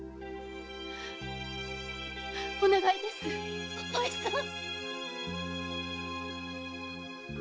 お願いですお前さん！